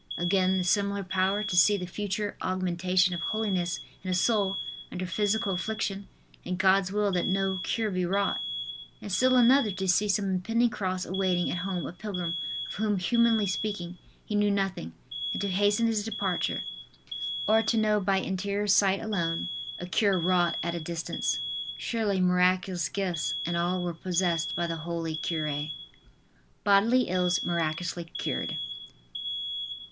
Again, the similar power to see the future augmentation of holiness in a soul under physical affliction and God's will that no cure be wrought; and still another, to see some impending cross awaiting at home a pilgrim, of whom humanly speaking, he knew nothing, and to hasten his departure; or to know by interior sight alone, a cure wrought at a distance. Surely miraculous gifts and all were possessed by the holy cure. BODILY ILLS MIRACULOUSLY CURED.